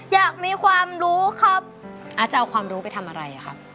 อยากมีความรู้ครับอาจจะเอาความรู้ไปทำอะไรครับ